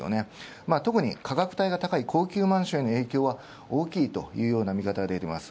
特に価格帯が高い高級マンションへの影響は大きいと見方が出ています。